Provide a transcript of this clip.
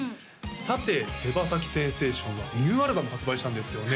さて手羽先センセーションはニューアルバム発売したんですよね？